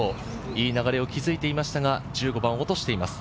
いい流れを築いていましたが、１５番を落としています。